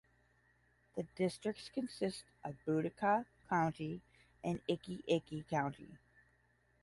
The district consists of Budaka County and Iki-Iki County.